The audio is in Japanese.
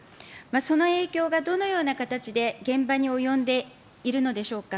その影響がどのような形で現場に及んでいるのでしょうか。